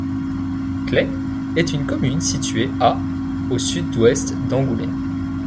Claix est une commune située à au sud-ouest d'Angoulême.